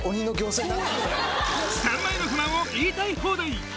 さんまへの不満を言いたい放題。